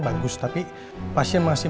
bagus tapi pasien masih